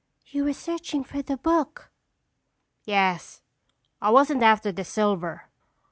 "You were searching for the book." "Yes, I wasn't after the silver.